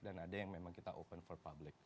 dan ada yang memang kita open for public